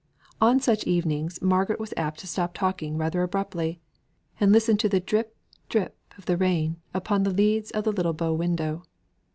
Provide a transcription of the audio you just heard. On such evenings Margaret was apt to stop talking rather abruptly, and listen to the drip drip of the rain upon the leads of the little bow window.